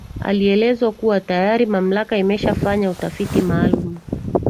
Alieleza kuwa tayari mamlaka imeshafanya utafiti maalumu